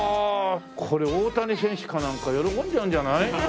これ大谷選手かなんか喜んじゃうんじゃない？